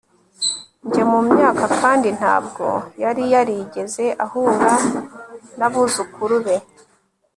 njye mumyaka kandi ntabwo yari yarigeze ahura nabuzukuru be